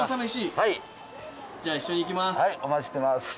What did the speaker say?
はいお待ちしてます。